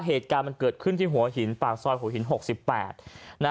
เหตุการณ์มันเกิดขึ้นที่หัวหินปากซอยหัวหิน๖๘